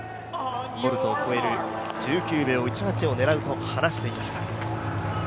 ボルトを超える１９秒１８を狙うと話していました。